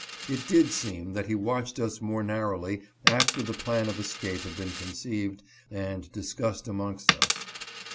It did seem that he watched us more narrowly after the plan of escape had been conceived and discussed amongst us.